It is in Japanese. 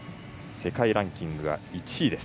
世界ランキング１位です。